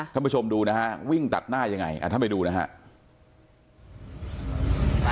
ท่านผู้ชมดูนะฮะวิ่งตัดหน้ายังไงท่านไปดูนะฮะ